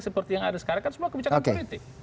seperti yang ada sekarang kan semua kebijakan politik